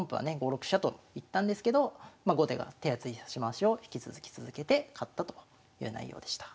５六飛車といったんですけど後手が手厚い指し回しを引き続き続けて勝ったという内容でした。